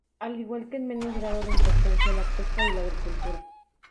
Al igual que, en menos grado de importancia, la pesca y la agricultura.